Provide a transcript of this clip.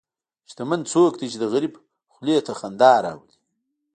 شتمن څوک دی چې د غریب خولې ته خندا راولي.